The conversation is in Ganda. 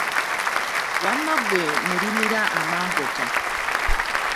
Wamma ggwe ne limira amangota.